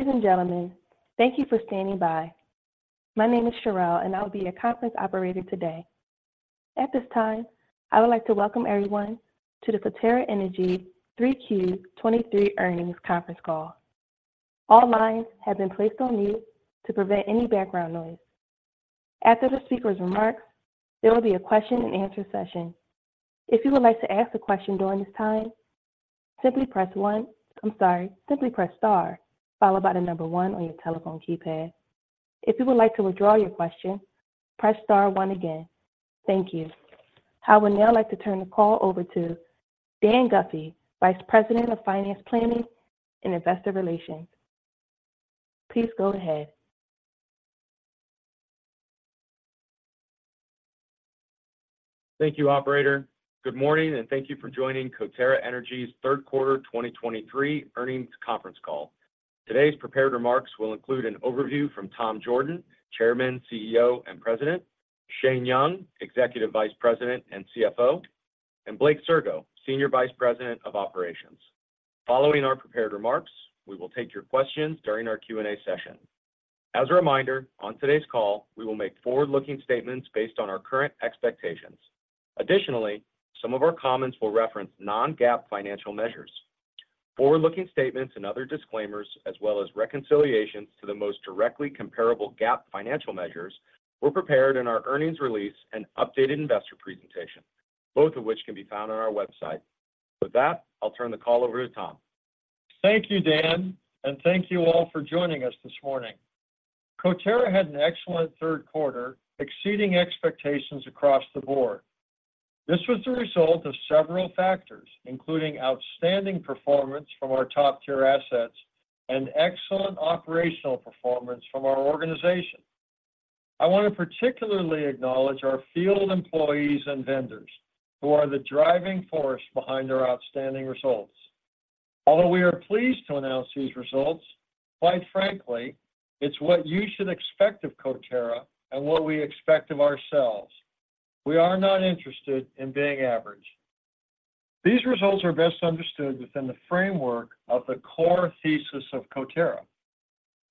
Ladies and gentlemen, thank you for standing by. My name is Cherelle, and I'll be your conference operator today. At this time, I would like to welcome everyone to the Coterra Energy 3Q 2023 earnings conference call. All lines have been placed on mute to prevent any background noise. After the speaker's remarks, there will be a question and answer session. If you would like to ask a question during this time, simply press one—I'm sorry, simply press star, followed by the number one on your telephone keypad. If you would like to withdraw your question, press star one again. Thank you. I would now like to turn the call over to Dan Guffey, Vice President of Finance Planning and Investor Relations. Please go ahead. Thank you, operator. Good morning, and thank you for joining Coterra Energy's third quarter 2023 earnings conference call. Today's prepared remarks will include an overview from Tom Jorden, Chairman, CEO, and President; Shane Young, Executive Vice President and CFO; and Blake Sirgo, Senior Vice President of Operations. Following our prepared remarks, we will take your questions during our Q&A session. As a reminder, on today's call, we will make forward-looking statements based on our current expectations. Additionally, some of our comments will reference non-GAAP financial measures. Forward-looking statements and other disclaimers, as well as reconciliations to the most directly comparable GAAP financial measures, were prepared in our earnings release and updated investor presentation, both of which can be found on our website. With that, I'll turn the call over to Tom. Thank you, Dan, and thank you all for joining us this morning. Coterra had an excellent third quarter, exceeding expectations across the board. This was the result of several factors, including outstanding performance from our top-tier assets and excellent operational performance from our organization. I want to particularly acknowledge our field employees and vendors, who are the driving force behind our outstanding results. Although we are pleased to announce these results, quite frankly, it's what you should expect of Coterra and what we expect of ourselves. We are not interested in being average. These results are best understood within the framework of the core thesis of Coterra.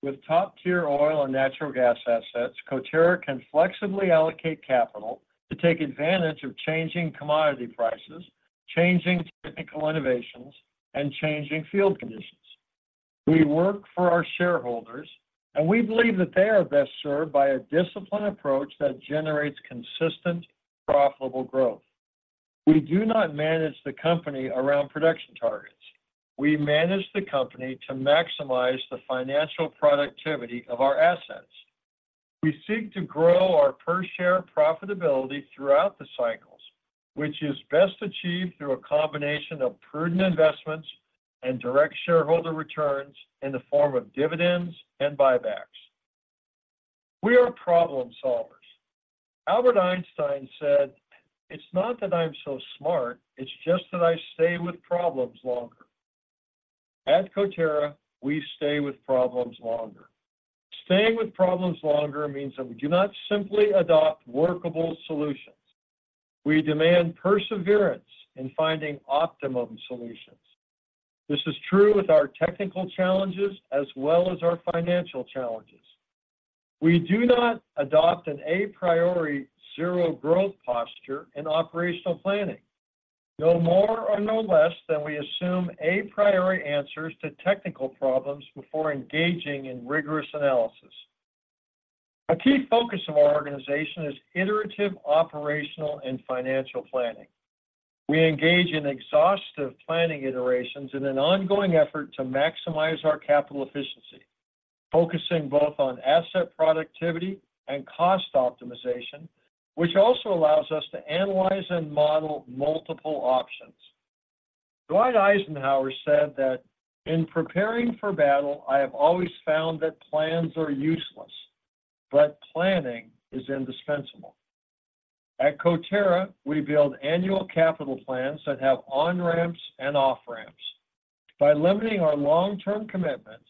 With top-tier oil and natural gas assets, Coterra can flexibly allocate capital to take advantage of changing commodity prices, changing technical innovations, and changing field conditions. We work for our shareholders, and we believe that they are best served by a disciplined approach that generates consistent, profitable growth. We do not manage the company around production targets. We manage the company to maximize the financial productivity of our assets. We seek to grow our per share profitability throughout the cycles, which is best achieved through a combination of prudent investments and direct shareholder returns in the form of dividends and buybacks. We are problem solvers. Albert Einstein said, "It's not that I'm so smart. It's just that I stay with problems longer." At Coterra, we stay with problems longer. Staying with problems longer means that we do not simply adopt workable solutions. We demand perseverance in finding optimum solutions. This is true with our technical challenges as well as our financial challenges. We do not adopt an a priori zero growth posture in operational planning, no more or no less than we assume a priori answers to technical problems before engaging in rigorous analysis. A key focus of our organization is iterative, operational, and financial planning. We engage in exhaustive planning iterations in an ongoing effort to maximize our capital efficiency, focusing both on asset productivity and cost optimization, which also allows us to analyze and model multiple options. Dwight Eisenhower said that, "In preparing for battle, I have always found that plans are useless, but planning is indispensable." At Coterra, we build annual capital plans that have on-ramps and off-ramps. By limiting our long-term commitments,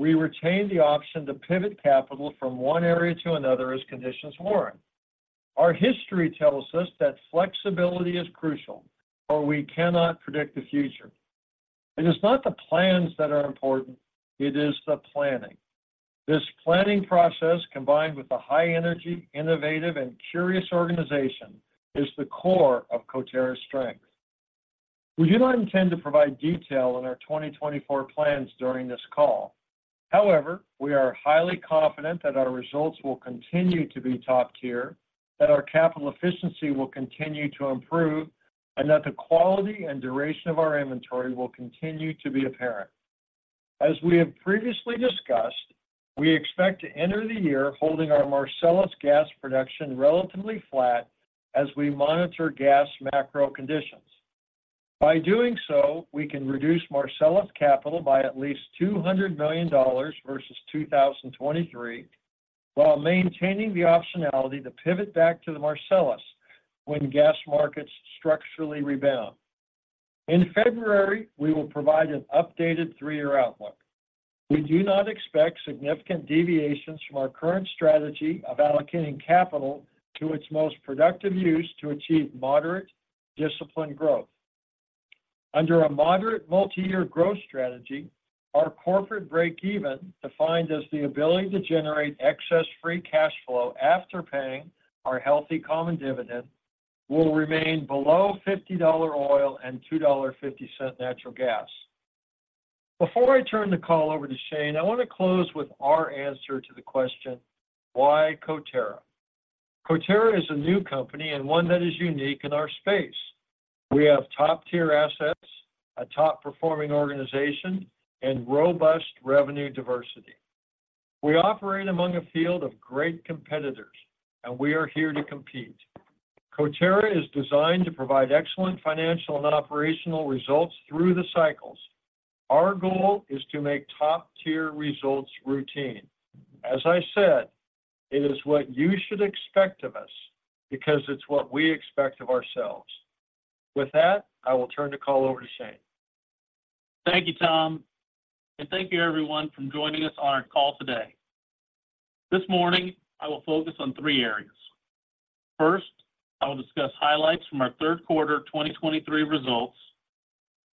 we retain the option to pivot capital from one area to another as conditions warrant. Our history tells us that flexibility is crucial, for we cannot predict the future. It is not the plans that are important. It is the planning. This planning process, combined with a high-energy, innovative, and curious organization, is the core of Coterra's strength. We do not intend to provide detail on our 2024 plans during this call. However, we are highly confident that our results will continue to be top tier, that our capital efficiency will continue to improve, and that the quality and duration of our inventory will continue to be apparent. As we have previously discussed, we expect to enter the year holding our Marcellus gas production relatively flat as we monitor gas macro conditions. By doing so, we can reduce Marcellus capital by at least $200 million versus 2023, while maintaining the optionality to pivot back to the Marcellus when gas markets structurally rebound. In February, we will provide an updated three-year outlook. We do not expect significant deviations from our current strategy of allocating capital to its most productive use to achieve moderate, disciplined growth. Under a moderate multi-year growth strategy, our corporate breakeven, defined as the ability to generate excess free cash flow after paying our healthy common dividend, will remain below $50 oil and $2.50 natural gas. Before I turn the call over to Shane, I want to close with our answer to the question: Why Coterra? Coterra is a new company and one that is unique in our space. We have top-tier assets, a top-performing organization, and robust revenue diversity. We operate among a field of great competitors, and we are here to compete. Coterra is designed to provide excellent financial and operational results through the cycles. Our goal is to make top-tier results routine. As I said, it is what you should expect of us because it's what we expect of ourselves. With that, I will turn the call over to Shane. Thank you, Tom, and thank you everyone for joining us on our call today. This morning, I will focus on three areas. First, I will discuss highlights from our third quarter 2023 results.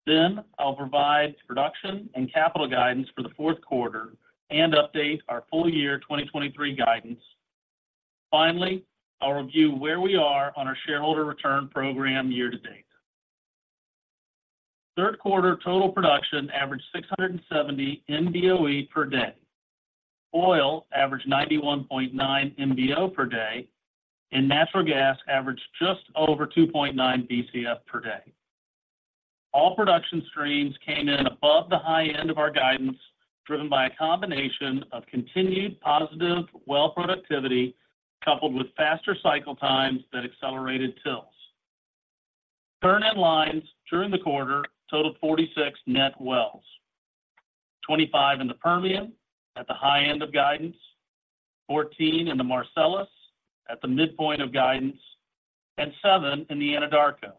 Then, I'll provide production and capital guidance for the fourth quarter and update our full year 2023 guidance. Finally, I'll review where we are on our shareholder return program year to date. Third quarter total production averaged 670 MBOE per day. Oil averaged 91.9 MBbl per day, and natural gas averaged just over 2.9 Bcf per day. All production streams came in above the high end of our guidance, driven by a combination of continued positive well productivity, coupled with faster cycle times that accelerated tills. Turn-in-lines during the quarter totaled 46 net wells, 25 in the Permian at the high end of guidance, 14 in the Marcellus at the midpoint of guidance, and seven in the Anadarko,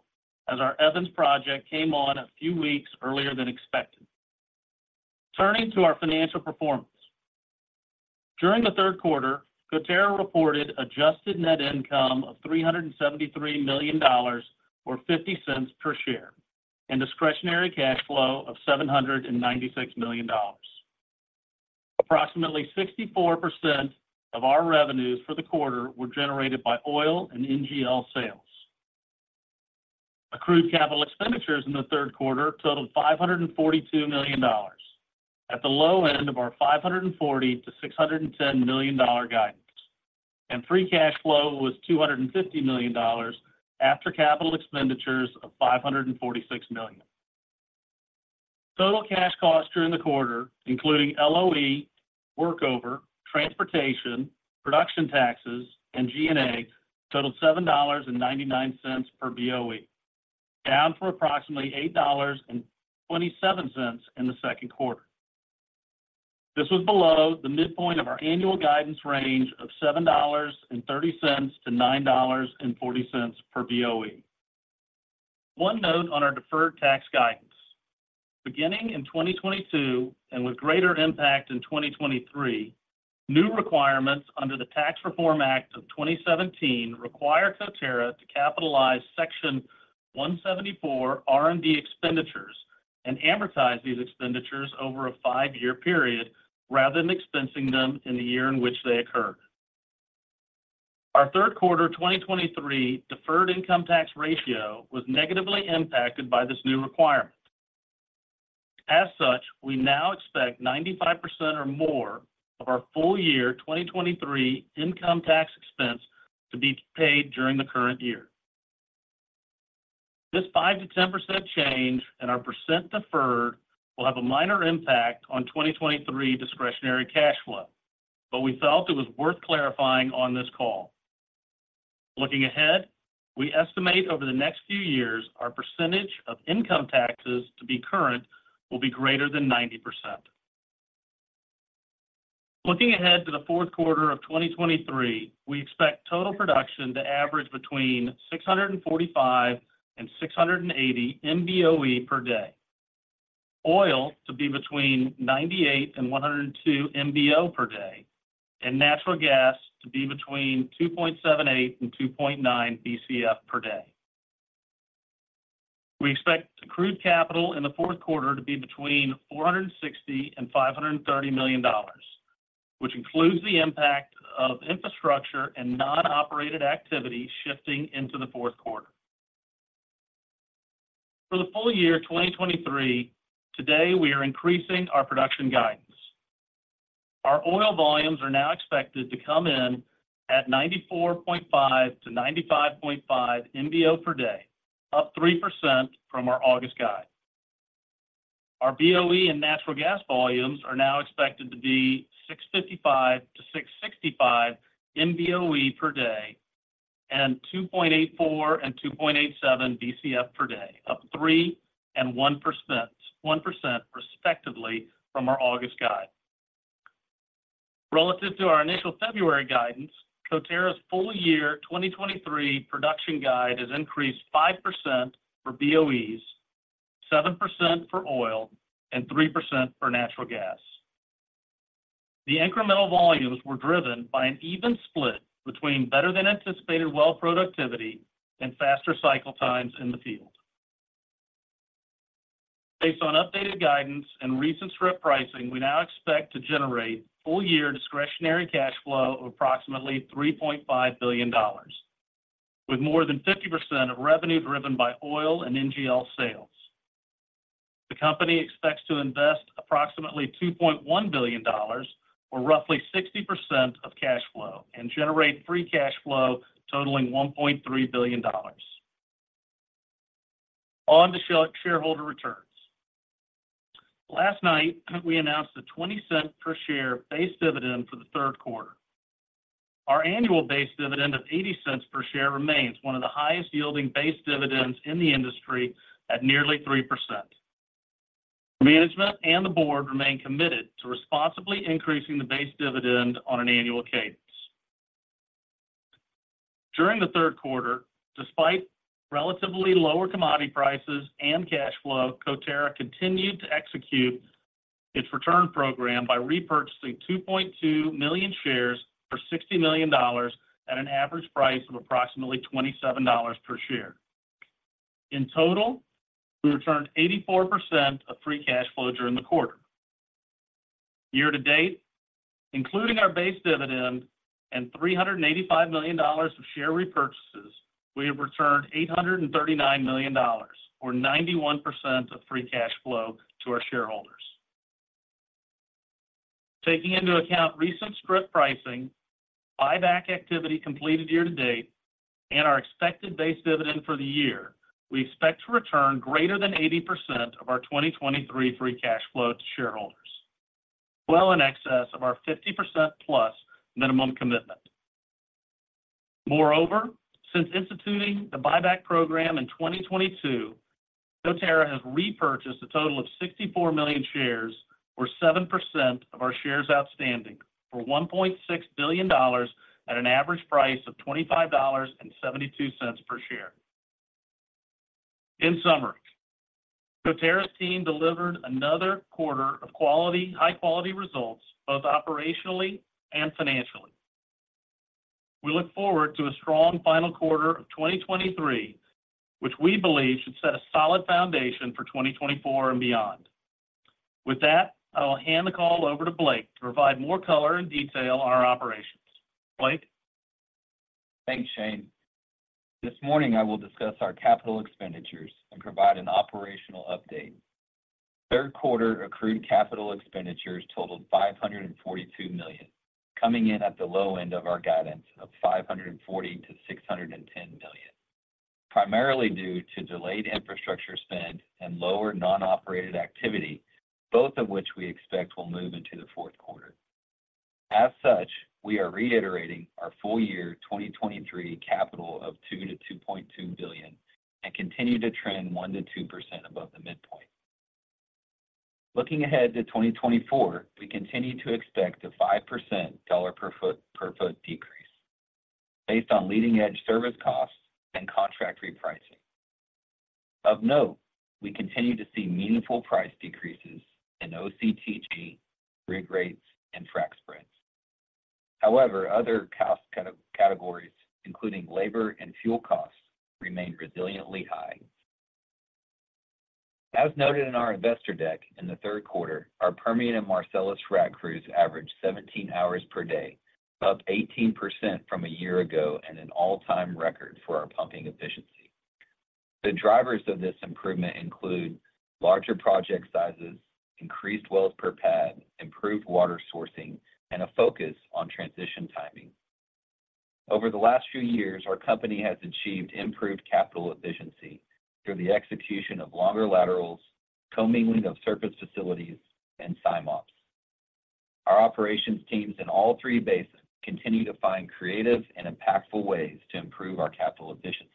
as our Evans project came on a few weeks earlier than expected. Turning to our financial performance. During the third quarter, Coterra reported adjusted net income of $373 million or $0.50 per share, and discretionary cash flow of $796 million. Approximately 64% of our revenues for the quarter were generated by oil and NGL sales. Accrued capital expenditures in the third quarter totaled $542 million, at the low end of our $540 million-$610 million guidance, and free cash flow was $250 million after capital expenditures of $546 million. Total cash costs during the quarter, including LOE, workover, transportation, production taxes, and G&A, totaled $7.99 per BOE, down from approximately $8.27 in the second quarter. This was below the midpoint of our annual guidance range of $7.30-$9.40 per BOE. One note on our deferred tax guidance. Beginning in 2022, and with greater impact in 2023, new requirements under the Tax Reform Act of 2017 require Coterra to capitalize Section 174 R&D expenditures and amortize these expenditures over a five-year period, rather than expensing them in the year in which they occurred. Our third quarter 2023 deferred income tax ratio was negatively impacted by this new requirement. As such, we now expect 95% or more of our full year 2023 income tax expense to be paid during the current year. This 5%-10% change in our percent deferred will have a minor impact on 2023 discretionary cash flow, but we felt it was worth clarifying on this call. Looking ahead, we estimate over the next few years, our percentage of income taxes to be current will be greater than 90%. Looking ahead to the fourth quarter of 2023, we expect total production to average between 645-680 MBOE per day, oil to be between 98-102 MBbl per day, and natural gas to be between 2.78-2.9 Bcf per day. We expect accrued capital in the fourth quarter to be between $460 million-$530 million, which includes the impact of infrastructure and non-operated activity shifting into the fourth quarter. For the full year 2023, today, we are increasing our production guidance. Our oil volumes are now expected to come in at 94.5-95.5 MBbl per day, up 3% from our August guide. Our BOE and natural gas volumes are now expected to be 655-665 MBOE per day and 2.84-2.87 Bcf per day, up 3% and 1%, 1% respectively from our August guide. Relative to our initial February guidance, Coterra's full-year 2023 production guide has increased 5% for BOEs, 7% for oil, and 3% for natural gas. The incremental volumes were driven by an even split between better than anticipated well productivity and faster cycle times in the field. Based on updated guidance and recent strip pricing, we now expect to generate full-year discretionary cash flow of approximately $3.5 billion, with more than 50% of revenue driven by oil and NGL sales. The company expects to invest approximately $2.1 billion, or roughly 60% of cash flow, and generate free cash flow totaling $1.3 billion. On to shareholder returns. Last night, we announced a $0.20 per share base dividend for the third quarter. Our annual base dividend of $0.80 per share remains one of the highest yielding base dividends in the industry at nearly 3%. Management and the board remain committed to responsibly increasing the base dividend on an annual cadence. During the third quarter, despite relatively lower commodity prices and cash flow, Coterra continued to execute its return program by repurchasing 2.2 million shares for $60 million at an average price of approximately $27 per share. In total, we returned 84% of free cash flow during the quarter. Year to date, including our base dividend and $385 million of share repurchases, we have returned $839 million, or 91% of free cash flow to our shareholders. Taking into account recent strip pricing, buyback activity completed year to date, and our expected base dividend for the year, we expect to return greater than 80% of our 2023 free cash flow to shareholders, well in excess of our 50%+ minimum commitment. Moreover, since instituting the buyback program in 2022, Coterra has repurchased a total of 64 million shares, or 7% of our shares outstanding, for $1.6 billion at an average price of $25.72 per share. In summary, Coterra's team delivered another quarter of quality, high-quality results, both operationally and financially. We look forward to a strong final quarter of 2023, which we believe should set a solid foundation for 2024 and beyond. With that, I will hand the call over to Blake to provide more color and detail on our operations. Blake? Thanks, Shane. This morning, I will discuss our capital expenditures and provide an operational update. Third quarter accrued capital expenditures totaled $542 million, coming in at the low end of our guidance of $540 million-$610 million, primarily due to delayed infrastructure spend and lower non-operated activity, both of which we expect will move into the fourth quarter. As such, we are reiterating our full year 2023 capital of $2 billion-$2.2 billion and continue to trend 1%-2% above the midpoint. Looking ahead to 2024, we continue to expect a 5% dollar per foot, per foot decrease based on leading-edge service costs and contract repricing. Of note, we continue to see meaningful price decreases in OCTG, rig rates, and frac spreads. However, other cost categories, including labor and fuel costs, remain resiliently high. As noted in our investor deck, in the third quarter, our Permian and Marcellus frac crews averaged 17 hours per day, up 18% from a year ago and an all-time record for our pumping efficiency. The drivers of this improvement include larger project sizes, increased wells per pad, improved water sourcing, and a focus on transition timing. Over the last few years, our company has achieved improved capital efficiency through the execution of longer laterals, commingling of surface facilities, and SIMOPS. Our operations teams in all three basins continue to find creative and impactful ways to improve our capital efficiency.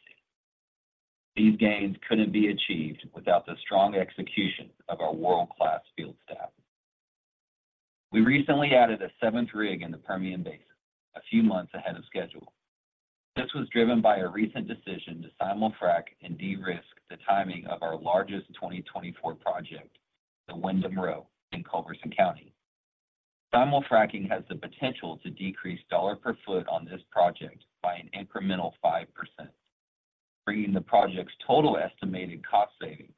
These gains couldn't be achieved without the strong execution of our world-class field staff. We recently added a seventh rig in the Permian Basin, a few months ahead of schedule. This was driven by a recent decision to simul-frac and de-risk the timing of our largest 2024 project, the Windham Row in Culberson County. Simul-fracking has the potential to decrease dollar per foot on this project by an incremental 5%, bringing the project's total estimated cost savings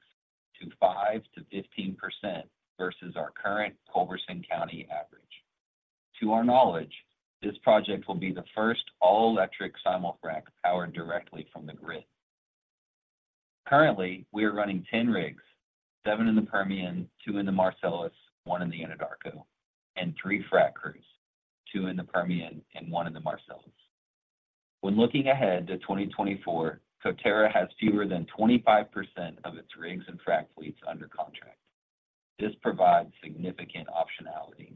to 5%-15% versus our current Culberson County average. To our knowledge, this project will be the first all-electric simul-frac powered directly from the grid. Currently, we are running 10 rigs, seven in the Permian, two in the Marcellus, one in the Anadarko, and three frac crews, two in the Permian and one in the Marcellus. When looking ahead to 2024, Coterra has fewer than 25% of its rigs and frac fleets under contract. This provides significant optionality.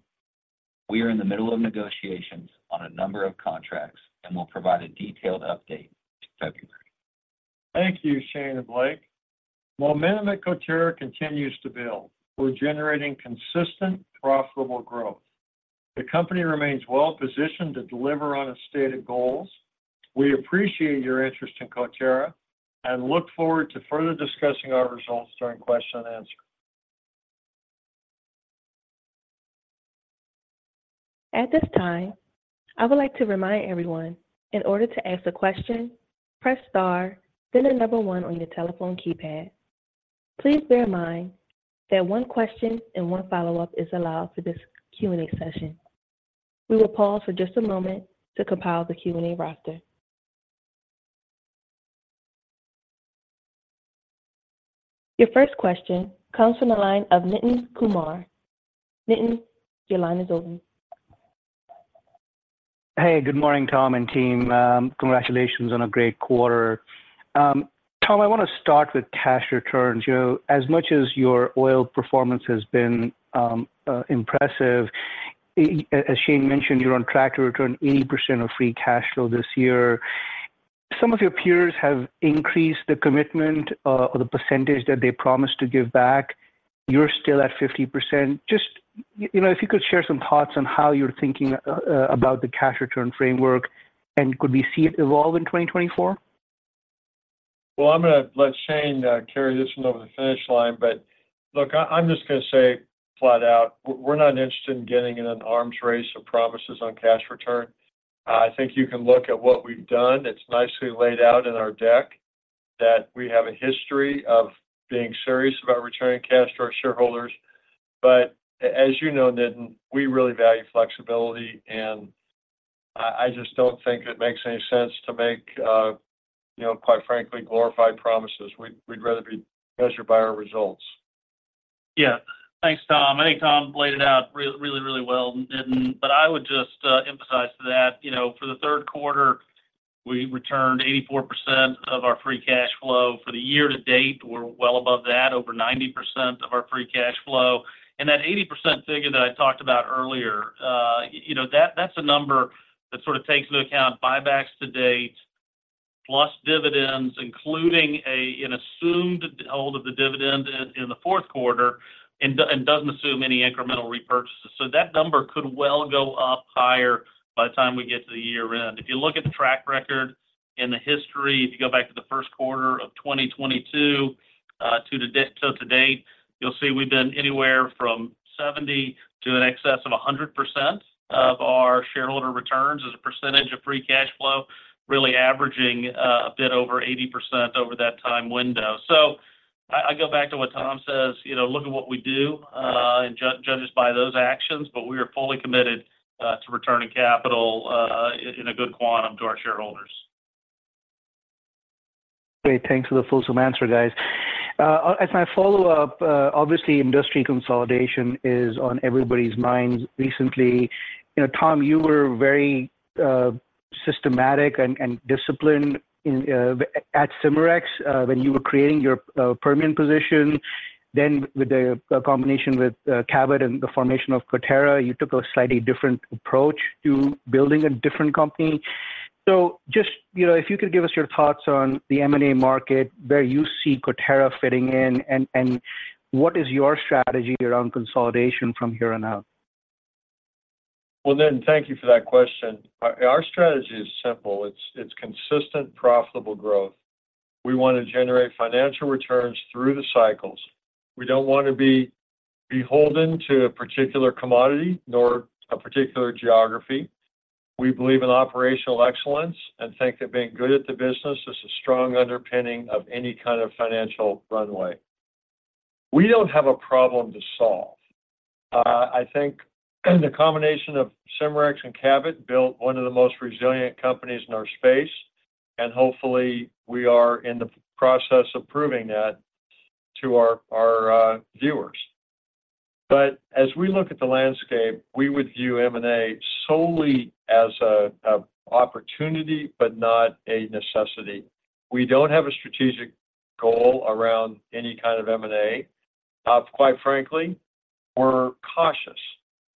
We are in the middle of negotiations on a number of contracts and will provide a detailed update in February. Thank you, Shane and Blake. Momentum at Coterra continues to build. We're generating consistent, profitable growth. The company remains well positioned to deliver on its stated goals. We appreciate your interest in Coterra and look forward to further discussing our results during question and answer. At this time, I would like to remind everyone, in order to ask a question, press star, then the number one on your telephone keypad. Please bear in mind that one question and one follow-up is allowed for this Q&A session. We will pause for just a moment to compile the Q&A roster. Your first question comes from the line of Nitin Kumar. Nitin, your line is open. Hey, good morning, Tom and team. Congratulations on a great quarter. Tom, I want to start with cash returns. You know, as much as your oil performance has been impressive, as Shane mentioned, you're on track to return 80% of free cash flow this year. Some of your peers have increased the commitment or the percentage that they promised to give back. You're still at 50%. Just, you know, if you could share some thoughts on how you're thinking about the cash return framework, and could we see it evolve in 2024? Well, I'm going to let Shane carry this one over the finish line, but look, I, I'm just going to say flat out, we're, we're not interested in getting in an arms race of promises on cash return. I think you can look at what we've done. It's nicely laid out in our deck, that we have a history of being serious about returning cash to our shareholders. But as you know, Nitin, we really value flexibility, and I, I just don't think it makes any sense to make, you know, quite frankly, glorified promises. We'd, we'd rather be measured by our results. Yeah. Thanks, Tom. I think Tom laid it out real, really, really well, Nitin, but I would just emphasize that, you know, for the third quarter, we returned 84% of our free cash flow. For the year to date, we're well above that, over 90% of our free cash flow. And that 80% figure that I talked about earlier, you know, that, that's a number that sort of takes into account buybacks to date, plus dividends, including an assumed hold of the dividend in the fourth quarter and doesn't assume any incremental repurchases. So that number could well go up higher by the time we get to the year-end. If you look at the track record and the history, if you go back to the first quarter of 2022, to the, till to date, you'll see we've been anywhere from 70% to in excess of 100% of our shareholder returns as a percentage of free cash flow, really averaging, a bit over 80% over that time window. So I, I go back to what Tom says, you know, look at what we do, and judge, judge us by those actions, but we are fully committed, to returning capital, in a good quantum to our shareholders. Great. Thanks for the fulsome answer, guys. As my follow-up, obviously, industry consolidation is on everybody's minds recently. You know, Tom, you were very systematic and disciplined in at Cimarex when you were creating your Permian position. Then with the combination with Cabot and the formation of Coterra, you took a slightly different approach to building a different company. So just, you know, if you could give us your thoughts on the M&A market, where you see Coterra fitting in, and what is your strategy around consolidation from here on out? Well, Nitin, thank you for that question. Our, our strategy is simple: it's, it's consistent, profitable growth. We want to generate financial returns through the cycles. We don't want to be beholden to a particular commodity nor a particular geography. We believe in operational excellence and think that being good at the business is a strong underpinning of any kind of financial runway. We don't have a problem to solve. I think the combination of Cimarex and Cabot built one of the most resilient companies in our space, and hopefully, we are in the process of proving that to our, our, viewers. But as we look at the landscape, we would view M&A solely as a, a opportunity but not a necessity. We don't have a strategic goal around any kind of M&A. Quite frankly, we're cautious.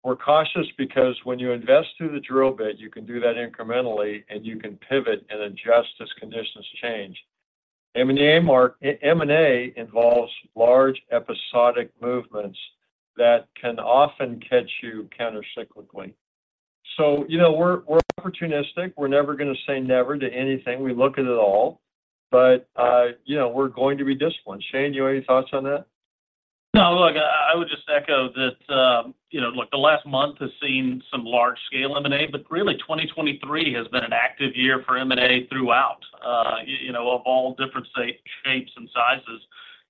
We're cautious because when you invest through the drill bit, you can do that incrementally, and you can pivot and adjust as conditions change. M&A involves large, episodic movements that can often catch you countercyclically. So you know, we're opportunistic. We're never going to say never to anything. We look at it all. But, you know, we're going to be disciplined. Shane, you have any thoughts on that? No, look, I would just echo that, you know, look, the last month has seen some large-scale M&A, but really, 2023 has been an active year for M&A throughout, you know, of all different shapes and sizes.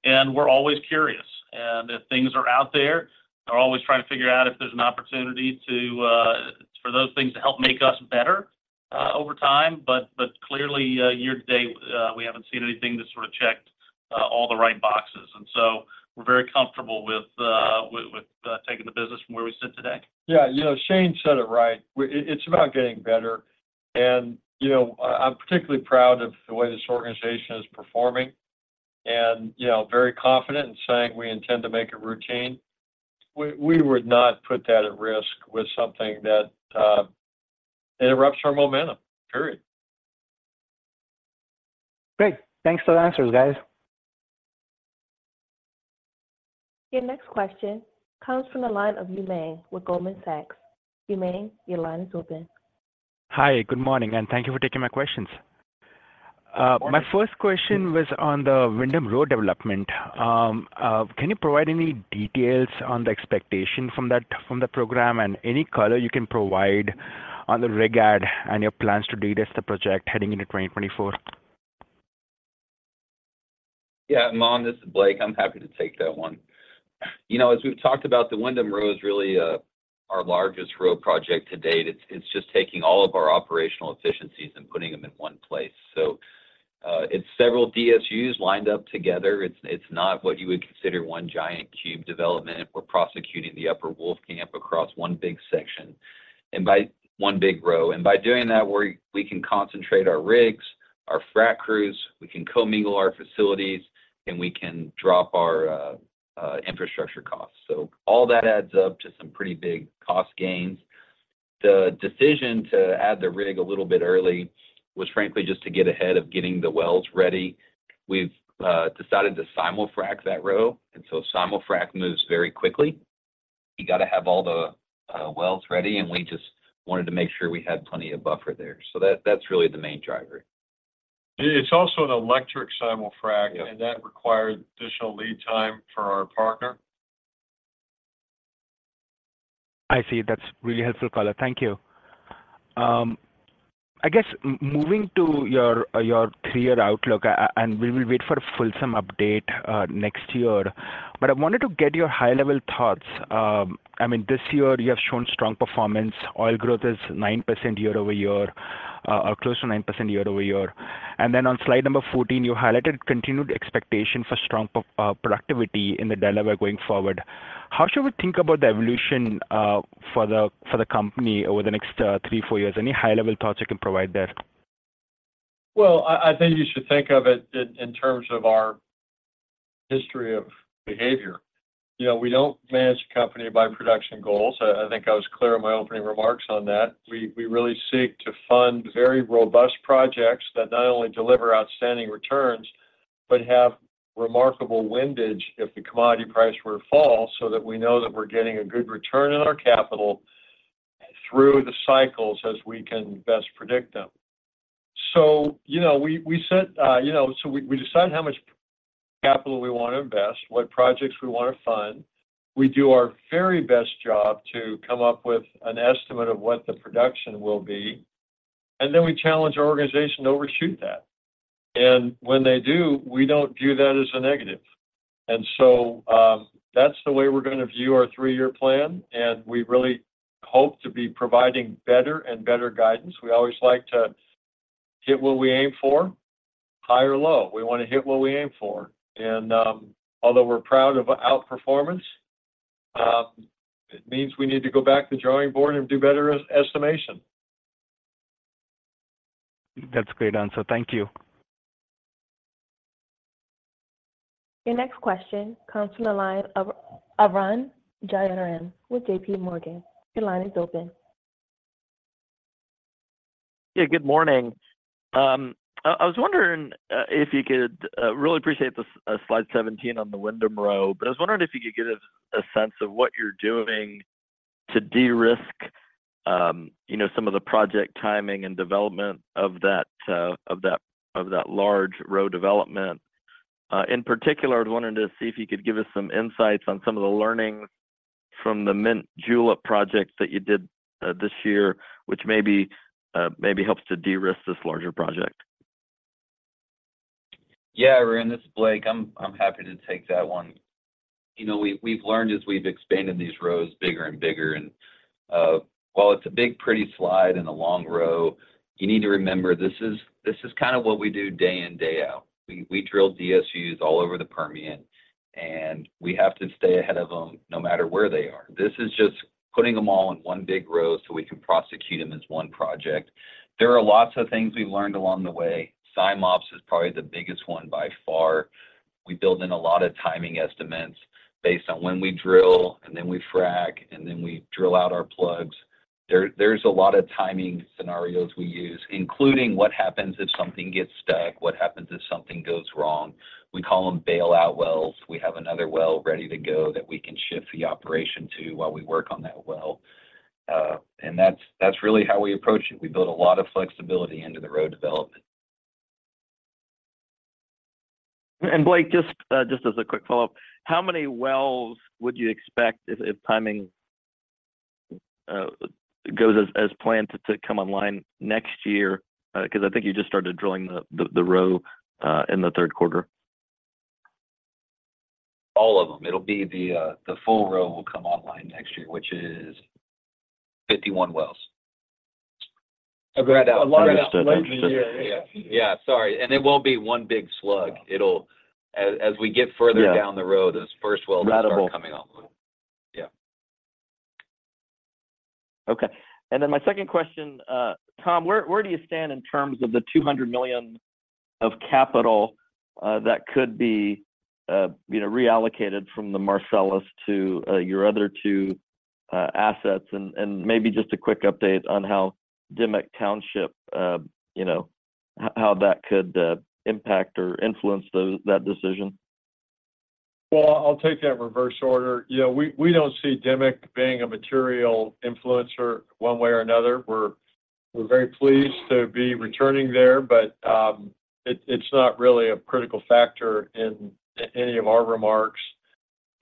And we're always curious, and if things are out there, we're always trying to figure out if there's an opportunity to for those things to help make us better over time. But clearly, year to date, we haven't seen anything that sort of checked all the right boxes, and so we're very comfortable with taking the business from where we sit today. Yeah. You know, Shane said it right. It, it's about getting better. You know, I'm particularly proud of the way this organization is performing and, you know, very confident in saying we intend to make it routine. We, we would not put that at risk with something that interrupts our momentum, period. Great. Thanks for the answers, guys. Your next question comes from the line of Umang with Goldman Sachs. Umang, your line is open. Hi, good morning, and thank you for taking my questions. My first question was on the Windham Row development. Can you provide any details on the expectation from that, from the program, and any color you can provide on the rig add and your plans to de-risk the project heading into 2024? Yeah, Umang, this is Blake. I'm happy to take that one. You know, as we've talked about, the Windham Row is really our largest row project to date. It's just taking all of our operational efficiencies and putting them in one place. So, it's several DSUs lined up together. It's not what you would consider one giant cube development. We're prosecuting the Upper Wolfcamp across one big section, and by one big row. And by doing that, we can concentrate our rigs, our frac crews, we can commingle our facilities, and we can drop our infrastructure costs. So all that adds up to some pretty big cost gains. The decision to add the rig a little bit early was frankly just to get ahead of getting the wells ready. We've decided to simul-frac that row, and so simul-frac moves very quickly. You got to have all the wells ready, and we just wanted to make sure we had plenty of buffer there. So that, that's really the main driver. It's also an electric simul-frac- Yeah. And that required additional lead time for our partner. I see. That's really helpful color. Thank you. I guess moving to your three-year outlook, and we will wait for a fulsome update next year. But I wanted to get your high-level thoughts. I mean, this year you have shown strong performance. Oil growth is 9% year-over-year, or close to 9% year-over-year. And then on slide number 14, you highlighted continued expectation for strong productivity in the Delaware going forward. How should we think about the evolution for the company over the next three, four years? Any high-level thoughts you can provide there? Well, I think you should think of it in terms of our history of behavior. You know, we don't manage a company by production goals. I think I was clear in my opening remarks on that. We really seek to fund very robust projects that not only deliver outstanding returns, but have remarkable windage if the commodity price were to fall, so that we know that we're getting a good return on our capital through the cycles as we can best predict them. So you know... So we decide how much capital we want to invest, what projects we want to fund. We do our very best job to come up with an estimate of what the production will be, and then we challenge our organization to overshoot that. When they do, we don't view that as a negative. So, that's the way we're going to view our three-year plan, and we really hope to be providing better and better guidance. We always like to hit what we aim for, high or low. We want to hit what we aim for. Although we're proud of outperformance, it means we need to go back to the drawing board and do better estimation. That's a great answer. Thank you. Your next question comes from the line of Arun Jayaram with JPMorgan. Your line is open. Yeah, good morning. I was wondering if you could really appreciate the slide 17 on the Windham Row, but I was wondering if you could give us a sense of what you're doing to de-risk, you know, some of the project timing and development of that large row development. In particular, I was wondering to see if you could give us some insights on some of the learnings from the Mint Julep project that you did this year, which maybe helps to de-risk this larger project. Yeah, Arun, this is Blake. I'm happy to take that one. You know, we've learned as we've expanded these rows bigger and bigger, and while it's a big, pretty slide and a long row, you need to remember this is kind of what we do day in, day out. We drill DSUs all over the Permian, and we have to stay ahead of them no matter where they are. This is just putting them all in one big row so we can prosecute them as one project. There are lots of things we learned along the way. SIMOPS is probably the biggest one by far. We build in a lot of timing estimates based on when we drill, and then we frac, and then we drill out our plugs. There, there's a lot of timing scenarios we use, including what happens if something gets stuck, what happens if something goes wrong. We call them bailout wells. We have another well ready to go that we can shift the operation to while we work on that well. And that's really how we approach it. We build a lot of flexibility into the row development. Blake, just as a quick follow-up, how many wells would you expect if timing goes as planned to come online next year? Because I think you just started drilling the row in the third quarter. All of them. It'll be the full row will come online next year, which is 51 wells. A lot later in the year. Yeah. Yeah, sorry, and it won't be one big slug. It'll... As we get further- Yeah.... down the road, those first wells- Ratable. will start coming online. Yeah. Okay. And then my second question, Tom, where, where do you stand in terms of the $200 million of capital that could be, you know, reallocated from the Marcellus to your other two assets? And, and maybe just a quick update on how Dimock Township, you know-... how, how that could impact or influence those, that decision? Well, I'll take that in reverse order. You know, we don't see Dimock being a material influencer one way or another. We're very pleased to be returning there, but it's not really a critical factor in any of our remarks.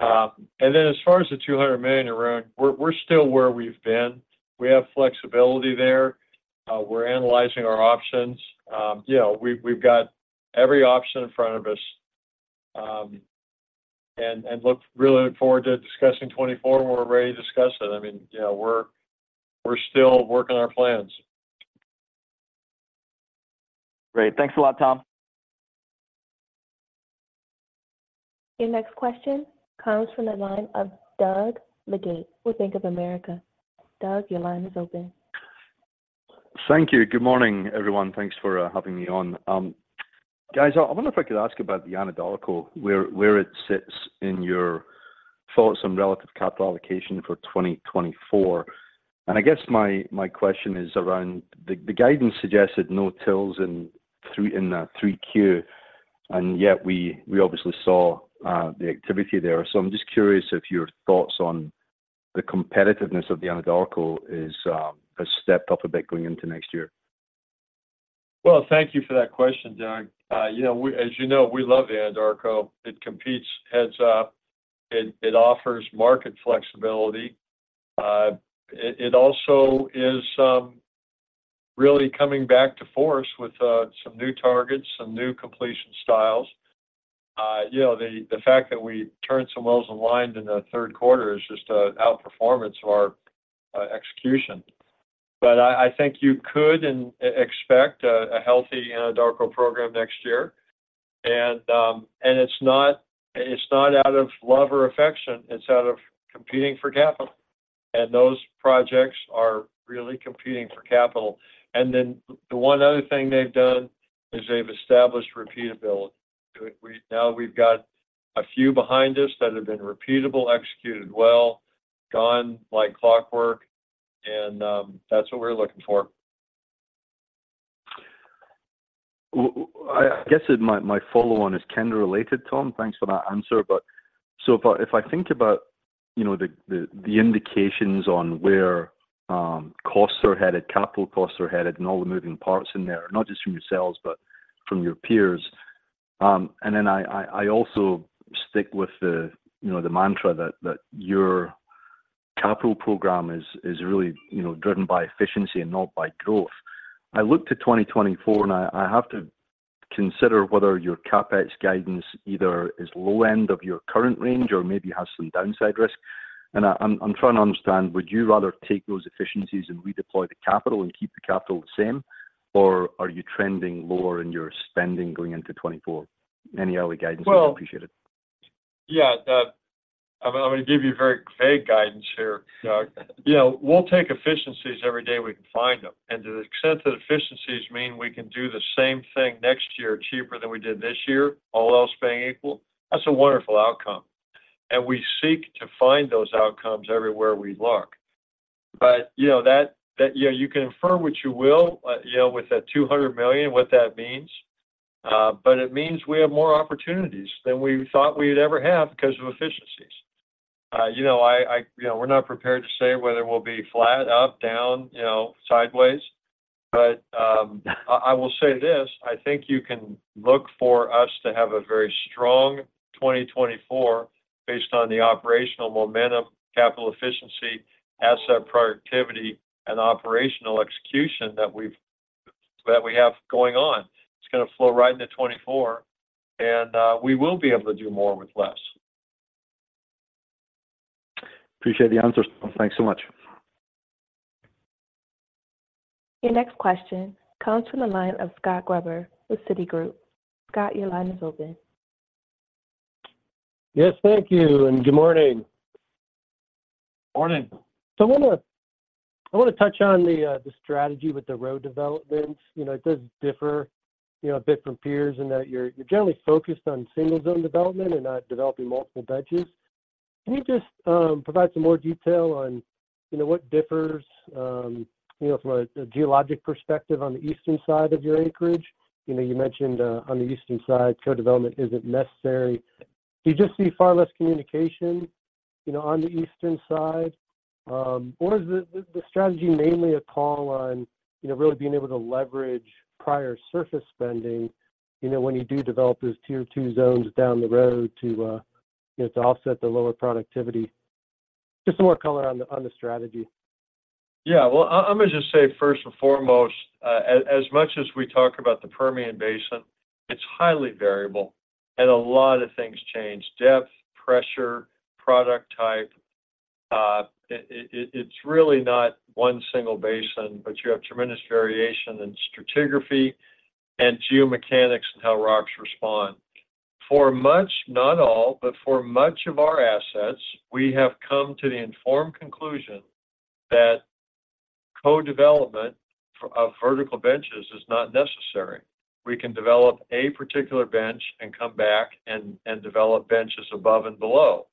And then as far as the $200 million around, we're still where we've been. We have flexibility there. We're analyzing our options. You know, we've got every option in front of us, and look forward to discussing 2024 when we're ready to discuss it. I mean, you know, we're still working our plans. Great. Thanks a lot, Tom. Your next question comes from the line of Doug Leggate with Bank of America. Doug, your line is open. Thank you. Good morning, everyone. Thanks for having me on. Guys, I wonder if I could ask about the Anadarko, where it sits in your thoughts on relative capital allocation for 2024. And I guess my question is around the guidance suggested no TILs in 3Q, and yet we obviously saw the activity there. So I'm just curious if your thoughts on the competitiveness of the Anadarko has stepped up a bit going into next year. Well, thank you for that question, Doug. You know, as you know, we love Anadarko. It competes heads up. It offers market flexibility. It also is really coming back in force with some new targets, some new completion styles. You know, the fact that we turned some wells in line in the third quarter is just an outperformance of our execution. But I think you could expect a healthy Anadarko program next year. And it's not out of love or affection, it's out of competing for capital, and those projects are really competing for capital. And then the one other thing they've done is they've established repeatability. Now, we've got a few behind us that have been repeatable, executed well, gone like clockwork, and that's what we're looking for. Well, I guess my follow-on is kind of related, Tom. Thanks for that answer. But, so if I think about, you know, the indications on where costs are headed, capital costs are headed, and all the moving parts in there, not just from yourselves, but from your peers. And then I also stick with the, you know, the mantra that your capital program is really, you know, driven by efficiency and not by growth. I look to 2024, and I have to consider whether your CapEx guidance either is low end of your current range or maybe has some downside risk. And I'm trying to understand, would you rather take those efficiencies and redeploy the capital and keep the capital the same, or are you trending lower in your spending going into 2024? Any early guidance would be appreciated. Well, yeah, I'm going to give you very vague guidance here, Doug. You know, we'll take efficiencies every day we can find them, and to the extent that efficiencies mean we can do the same thing next year, cheaper than we did this year, all else being equal, that's a wonderful outcome, and we seek to find those outcomes everywhere we look. But, you know, that... Yeah, you can infer what you will, you know, with that $200 million, what that means. But it means we have more opportunities than we thought we'd ever have because of efficiencies. You know, we're not prepared to say whether we'll be flat, up, down, you know, sideways. But, I will say this, I think you can look for us to have a very strong 2024 based on the operational momentum, capital efficiency, asset productivity, and operational execution that we have going on. It's gonna flow right into 2024, and we will be able to do more with less. Appreciate the answer. Thanks so much. Your next question comes from the line of Scott Gruber with Citigroup. Scott, your line is open. Yes, thank you, and good morning. Morning. So I wanna touch on the strategy with the row developments. You know, it does differ, you know, a bit from peers in that you're generally focused on single zone development and not developing multiple benches. Can you just provide some more detail on, you know, what differs, you know, from a geologic perspective on the eastern side of your acreage? You know, you mentioned on the eastern side, co-development isn't necessary. Do you just see far less communication, you know, on the eastern side? Or is the strategy mainly a call on, you know, really being able to leverage prior surface spending, you know, when you do develop those tier two zones down the road to, you know, to offset the lower productivity? Just some more color on the strategy. Yeah. Well, I'm going to just say first and foremost, as much as we talk about the Permian Basin, it's highly variable and a lot of things change: depth, pressure, product type. It's really not one single basin, but you have tremendous variation in stratigraphy and geomechanics and how rocks respond. For much, not all, but for much of our assets, we have come to the informed conclusion that co-development of vertical benches is not necessary. We can develop a particular bench and come back and develop benches above and below.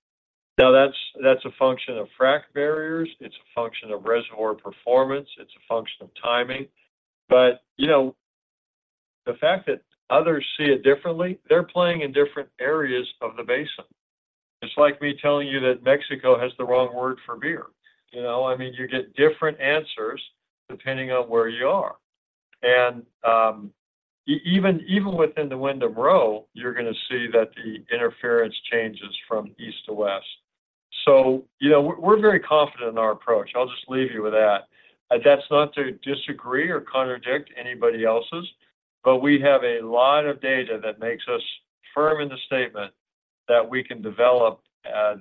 Now that's a function of frack barriers, it's a function of reservoir performance, it's a function of timing. But, you know, the fact that others see it differently, they're playing in different areas of the basin. It's like me telling you that Mexico has the wrong word for beer. You know, I mean, you get different answers depending on where you are. And even within the Windham Row, you're gonna see that the interference changes from east to west. So, you know, we're very confident in our approach. I'll just leave you with that. That's not to disagree or contradict anybody else's, but we have a lot of data that makes us firm in the statement that we can develop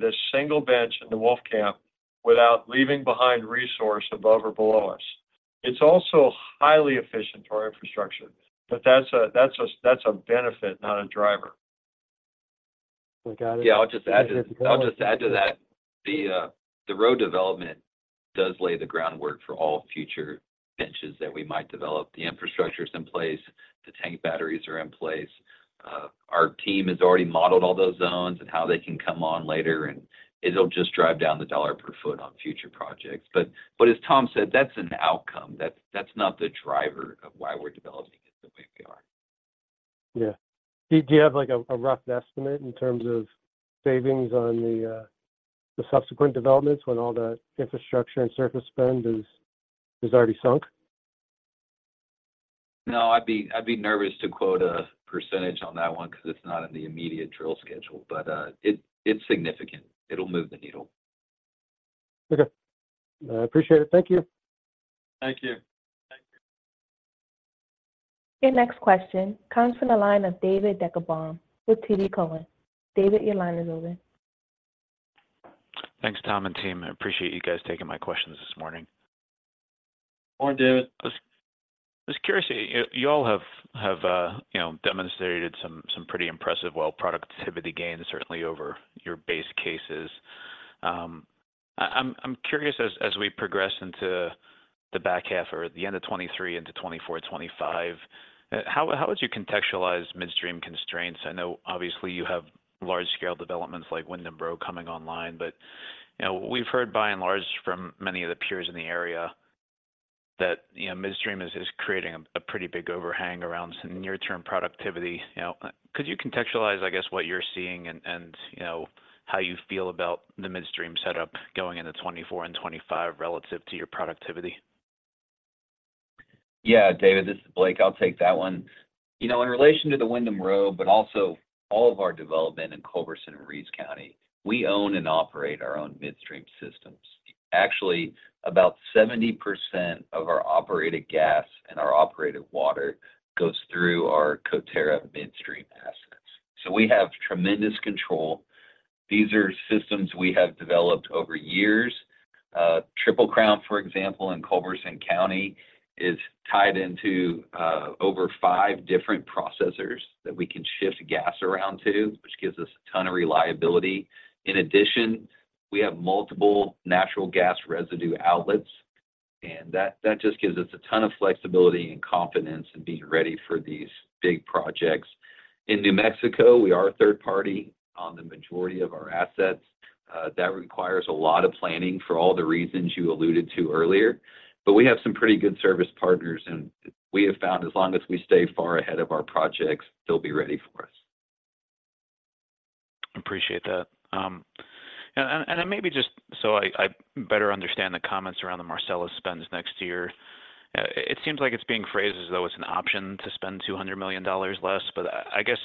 this single bench in the Wolfcamp without leaving behind resource above or below us. It's also highly efficient for our infrastructure, but that's a benefit, not a driver. I got it. Yeah, I'll just add to that. The Row development does lay the groundwork for all future benches that we might develop. The infrastructure's in place, the tank batteries are in place. Our team has already modeled all those zones and how they can come on later, and it'll just drive down the dollar per foot on future projects. But, but as Tom said, that's an outcome. That's, that's not the driver of why we're developing it the way we are. Yeah. Do you have, like, a rough estimate in terms of savings on the subsequent developments when all the infrastructure and surface spend is already sunk? No, I'd be nervous to quote a percentage on that one 'cause it's not in the immediate drill schedule, but it's significant. It'll move the needle. Okay. I appreciate it. Thank you. Thank you. Thank you. Your next question comes from the line of David Deckelbaum with TD Cowen. David, your line is open. Thanks, Tom and team. I appreciate you guys taking my questions this morning. Morning, David. Just curiosity, you all have demonstrated some pretty impressive well productivity gains, certainly over your base cases. I'm curious, as we progress into the back half or the end of 2023 into 2024, 2025, how would you contextualize midstream constraints? I know obviously you have large-scale developments like Windham Row coming online, but you know, we've heard by and large from many of the peers in the area that you know, midstream is creating a pretty big overhang around some near-term productivity. You know, could you contextualize, I guess, what you're seeing and you know, how you feel about the midstream setup going into 2024 and 2025 relative to your productivity? Yeah. David, this is Blake. I'll take that one. You know, in relation to the Windham Row, but also all of our development in Culberson and Reeves County, we own and operate our own midstream systems. Actually, about 70% of our operated gas and our operated water goes through our Coterra midstream assets, so we have tremendous control. These are systems we have developed over years. Triple Crown, for example, in Culberson County, is tied into over five different processors that we can shift gas around to, which gives us a ton of reliability. In addition, we have multiple natural gas residue outlets, and that just gives us a ton of flexibility and confidence in being ready for these big projects. In New Mexico, we are a third party on the majority of our assets. That requires a lot of planning for all the reasons you alluded to earlier. But we have some pretty good service partners, and we have found as long as we stay far ahead of our projects, they'll be ready for us. Appreciate that. And maybe just so I better understand the comments around the Marcellus spends next year, it seems like it's being phrased as though it's an option to spend $200 million less, but I guess,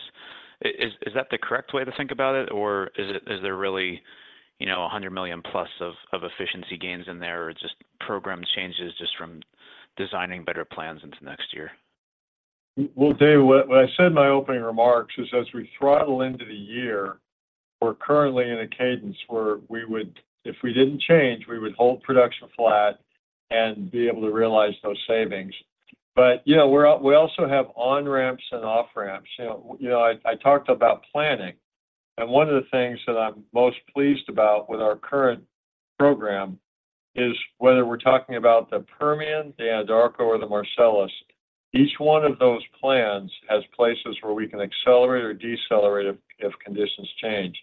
is that the correct way to think about it, or is there really, you know, $100 million plus of efficiency gains in there, or just program changes just from designing better plans into next year? Well, David, what I said in my opening remarks is, as we throttle into the year, we're currently in a cadence where we would, if we didn't change, we would hold production flat and be able to realize those savings. But, you know, we're also have on-ramps and off-ramps. You know, you know, I talked about planning, and one of the things that I'm most pleased about with our current program is whether we're talking about the Permian, the Anadarko, or the Marcellus, each one of those plans has places where we can accelerate or decelerate if conditions change.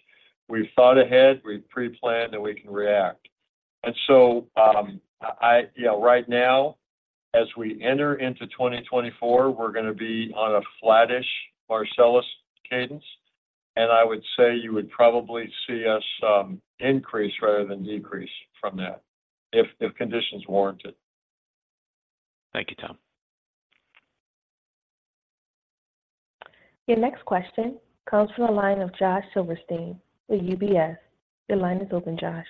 We've thought ahead, we've pre-planned, and we can react. And so, I, I... You know, right now, as we enter into 2024, we're gonna be on a flattish Marcellus cadence, and I would say you would probably see us increase rather than decrease from that, if conditions warrant it. Thank you, Tom. Your next question comes from the line of Josh Silverstein with UBS. Your line is open, Josh.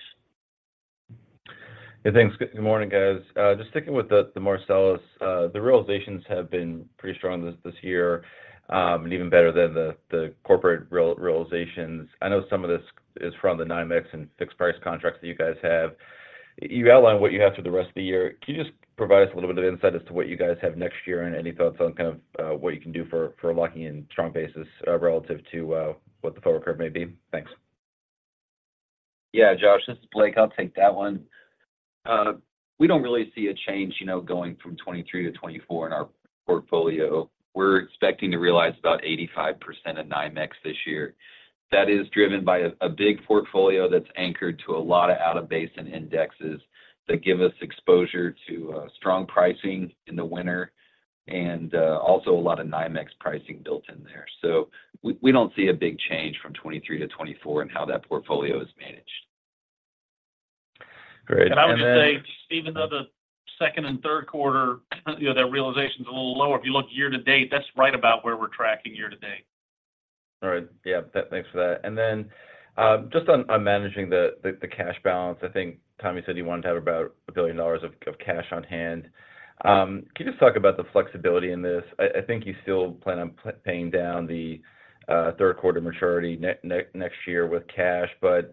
Hey, thanks. Good morning, guys. Just sticking with the Marcellus, the realizations have been pretty strong this year, and even better than the corporate realizations. I know some of this is from the NYMEX and fixed price contracts that you guys have. You outlined what you have for the rest of the year. Can you just provide us a little bit of insight as to what you guys have next year and any thoughts on kind of what you can do for locking in strong basis relative to what the forward curve may be? Thanks. Yeah, Josh, this is Blake. I'll take that one. We don't really see a change, you know, going from 2023 to 2024 in our portfolio. We're expecting to realize about 85% of NYMEX this year. That is driven by a big portfolio that's anchored to a lot of out-of-basin indexes that give us exposure to strong pricing in the winter, and also a lot of NYMEX pricing built in there. So we don't see a big change from 2023 to 2024 in how that portfolio is managed. All right. And then- I would say, even though the second and third quarter, you know, their realization's a little lower, if you look year to date, that's right about where we're tracking year to date. All right. Yeah, thanks for that. And then, just on managing the cash balance, I think Tommy said you wanted to have about $1 billion of cash on hand. Can you just talk about the flexibility in this? I think you still plan on paying down the third quarter maturity next year with cash, but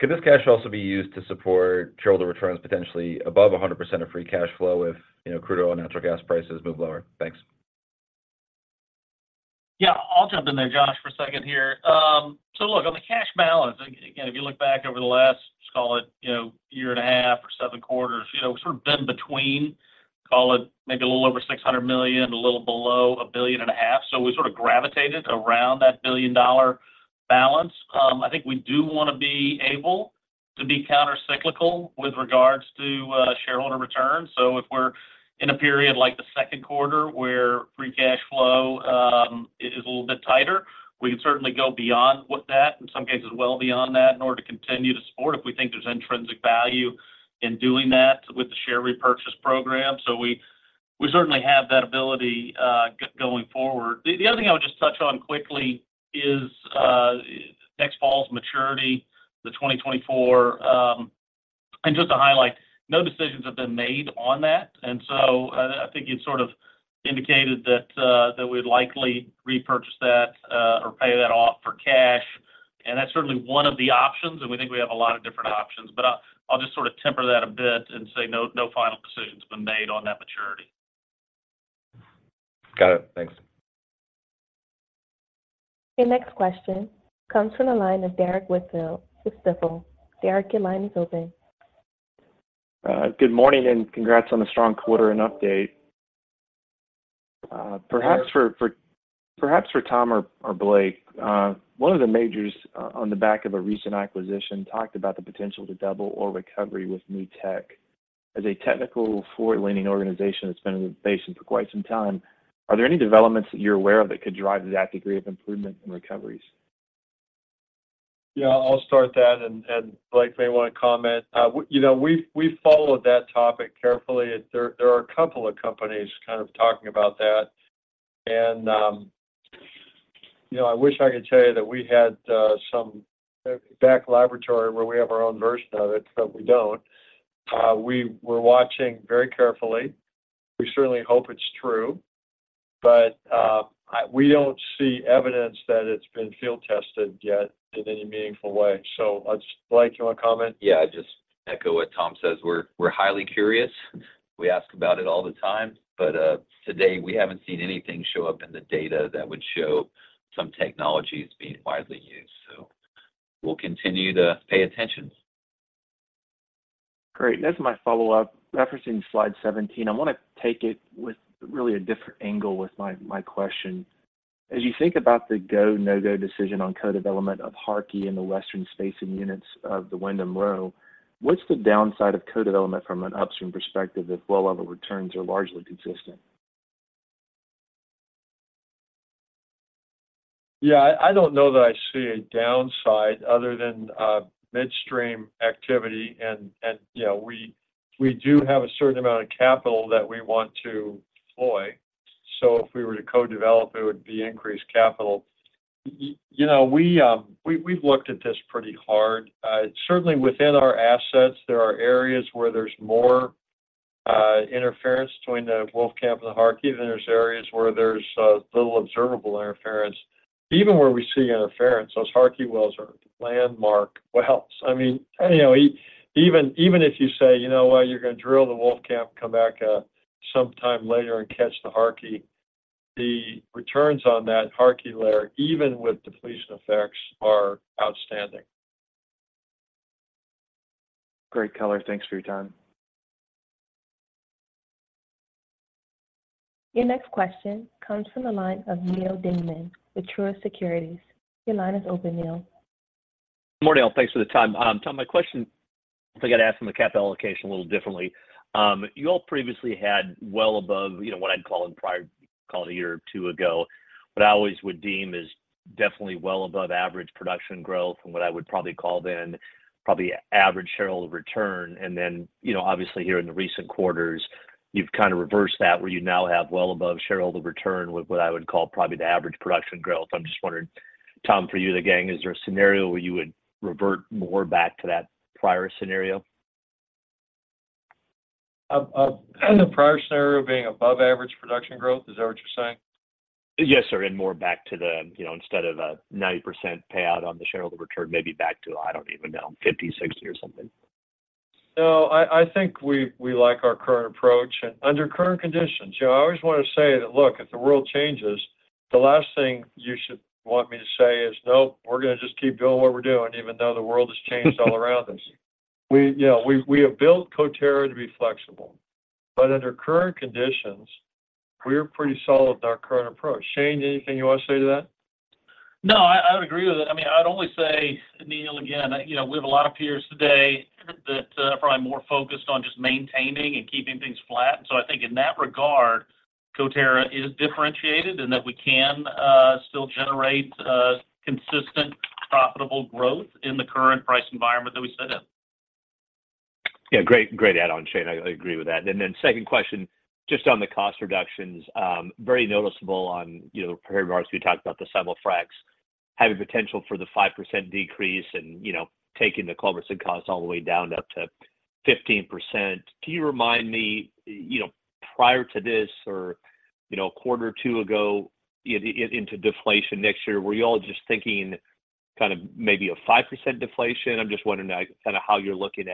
could this cash also be used to support shareholder returns, potentially above 100% of free cash flow if, you know, crude oil and natural gas prices move lower? Thanks. Yeah. I'll jump in there, Josh, for a second here. So look, on the cash balance, again, if you look back over the last, let's call it, you know, year and a half or seven quarters, you know, we've sort of been between, call it maybe a little over $600 million, a little below $1.5 billion. So we sort of gravitated around that billion-dollar balance. I think we do want to be able to be countercyclical with regards to shareholder returns. So if we're in a period like the second quarter, where free cash flow is a little bit tighter, we can certainly go beyond what that, in some cases, well beyond that, in order to continue to support if we think there's intrinsic value in doing that with the share repurchase program. So we certainly have that ability going forward. The other thing I would just touch on quickly is next fall's maturity, the 2024. And just to highlight, no decisions have been made on that, and so I think you'd sort of indicated that that we'd likely repurchase that or pay that off for cash, and that's certainly one of the options, and we think we have a lot of different options. But I'll just sort of temper that a bit and say, no final decision's been made on that maturity. Got it. Thanks. Your next question comes from the line of Derrick Whitfield with Stifel. Derrick, your line is open. Good morning, and congrats on the strong quarter and update. Perhaps for Tom or Blake, one of the majors, on the back of a recent acquisition, talked about the potential to double oil recovery with new tech. As a technical, forward-leaning organization that's been in the basin for quite some time, are there any developments that you're aware of that could drive that degree of improvement in recoveries? Yeah, I'll start that, and Blake may want to comment. We—you know, we've followed that topic carefully. There are a couple of companies kind of talking about that, and, you know, I wish I could tell you that we had some back laboratory where we have our own version of it, but we don't. We're watching very carefully. We certainly hope it's true, but I—we don't see evidence that it's been field-tested yet in any meaningful way. So, Blake, you want to comment? Yeah, just echo what Tom says. We're highly curious. We ask about it all the time, but today, we haven't seen anything show up in the data that would show some technologies being widely used. So we'll continue to pay attention. Great. As my follow-up, referencing slide 17, I want to take it with really a different angle with my question. As you think about the go, no-go decision on co-development of Harkey in the western spacing units of the Windham Row, what's the downside of co-development from an upstream perspective if well level returns are largely consistent? Yeah, I don't know that I see a downside other than midstream activity, and, you know, we do have a certain amount of capital that we want to deploy. So if we were to co-develop, it would be increased capital. You know, we, we've looked at this pretty hard. Certainly, within our assets, there are areas where there's more interference between the Wolfcamp and the Harkey than there's areas where there's little observable interference. Even where we see interference, those Harkey wells are landmark wells. I mean, anyhow, even if you say, you know what? You're gonna drill the Wolfcamp, come back, sometime later and catch the Harkey, the returns on that Harkey layer, even with depletion effects, are outstanding. Great color. Thanks for your time. Your next question comes from the line of Neal Dingmann with Truist Securities. Your line is open, Neal. Good morning, all. Thanks for the time. Tom, my question, I think I'd ask from the capital allocation a little differently. You all previously had well above, you know, what I'd call—call it a year or two ago, what I always would deem is definitely well above average production growth, and what I would probably call then, probably average shareholder return. And then, you know, obviously here in the recent quarters, you've kind of reversed that, where you now have well above shareholder return with what I would call probably the average production growth. I'm just wondering, Tom, for you, the gang, is there a scenario where you would revert more back to that prior scenario? The prior scenario being above average production growth, is that what you're saying? Yes, sir, and more back to the, you know, instead of a 90% payout on the shareholder return, maybe back to, I don't even know, 50, 60 or something. So I think we like our current approach. And under current conditions. You know, I always want to say that, look, if the world changes. The last thing you should want me to say is, "Nope, we're gonna just keep doing what we're doing, even though the world has changed all around us." Yeah, we have built Coterra to be flexible, but under current conditions, we're pretty solid with our current approach. Shane, anything you want to say to that? No, I would agree with that. I mean, I'd only say, Neal, again, you know, we have a lot of peers today that are probably more focused on just maintaining and keeping things flat. So I think in that regard, Coterra is differentiated, and that we can still generate consistent, profitable growth in the current price environment that we sit in. Yeah, great, great add-on, Shane. I, I agree with that. And then second question, just on the cost reductions, very noticeable on, you know, regards, we talked about the simul-fracs, having potential for the 5% decrease and, you know, taking the Culberson costs all the way down up to 15%. Can you remind me, you know, prior to this or, you know, a quarter or two ago, into deflation next year, were you all just thinking kind of maybe a 5% deflation? I'm just wondering, like, kind of how you're looking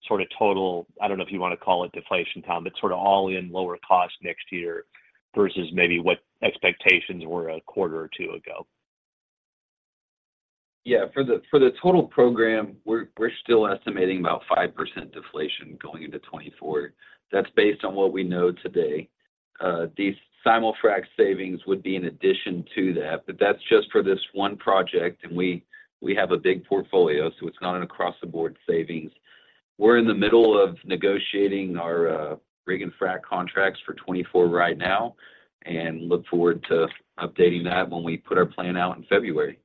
at sort of total... I don't know if you want to call it deflation, Tom, but sort of all in lower cost next year versus maybe what expectations were a quarter or two ago. Yeah. For the total program, we're still estimating about 5% deflation going into 2024. That's based on what we know today. These simul-frac savings would be in addition to that, but that's just for this one project, and we have a big portfolio, so it's not an across-the-board savings. We're in the middle of negotiating our rig and frac contracts for 2024 right now, and look forward to updating that when we put our plan out in February.